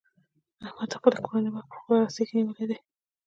احمد د خپلې کورنۍ واک په خپله رسۍ کې نیولی دی.